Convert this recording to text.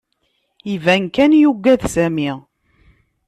Iban kan yuggad Sami.